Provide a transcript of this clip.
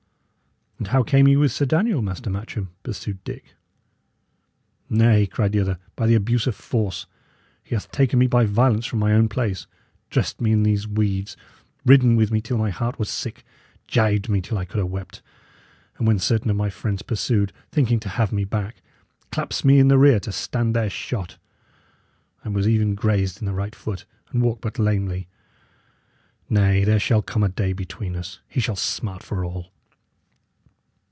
"And how came ye with Sir Daniel, Master Matcham?" pursued Dick. "Nay," cried the other, "by the abuse of force! He hath taken me by violence from my own place; dressed me in these weeds; ridden with me till my heart was sick; gibed me till I could 'a' wept; and when certain of my friends pursued, thinking to have me back, claps me in the rear to stand their shot! I was even grazed in the right foot, and walk but lamely. Nay, there shall come a day between us; he shall smart for all!"